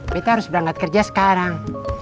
kita harus berangkat kerja sekarang